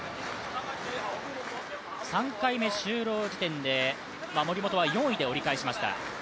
３回目終了時点で森本は４位で折り返しました。